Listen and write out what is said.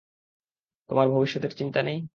তোর ভবিষ্যতের চিন্তা নেই?